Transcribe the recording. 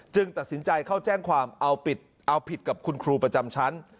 ตัดสินใจเข้าแจ้งความเอาผิดกับคุณครูประจำชั้น